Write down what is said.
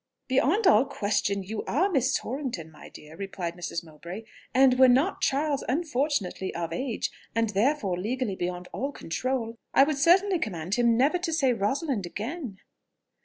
"Beyond all question you are Miss Torrington, my dear," replied Mrs. Mowbray; "and were not Charles unfortunately of age, and therefore legally beyond all control, I would certainly command him never to say Rosalind again."